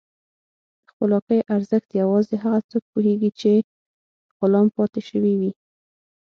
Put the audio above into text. د خپلواکۍ ارزښت یوازې هغه څوک پوهېږي چې غلام پاتې شوي وي.